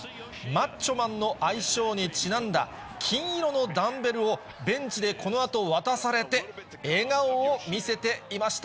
マッチョマンの愛称にちなんだ金色のダンベルを、ベンチでこのあと、渡されて、笑顔を見せていました。